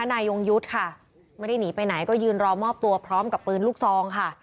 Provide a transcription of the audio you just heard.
นายยงยุทธ์ค่ะไม่ได้หนีไปไหนก็ยืนรอมอบตัวพร้อมกับปืนลูกซองค่ะ